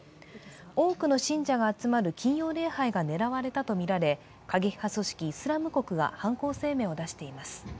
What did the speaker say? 多くの信者が集まる金曜礼拝が狙われたとみられ、過激派組織イスラム国が犯行声明を出しています。